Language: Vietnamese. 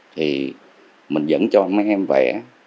thì mình dẫn cho mấy em vẽ